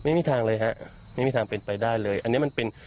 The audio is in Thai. ไม่มีทางเลยฮะไม่มีทางเป็นไปได้เลยอันนี้มันเป็น